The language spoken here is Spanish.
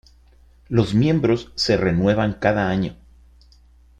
Los miembros se renuevan cada año.